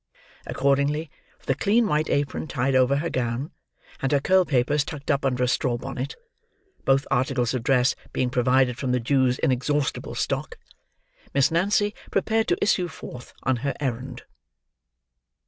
Accordingly, with a clean white apron tied over her gown, and her curl papers tucked up under a straw bonnet,—both articles of dress being provided from the Jew's inexhaustible stock,—Miss Nancy prepared to issue forth on her errand.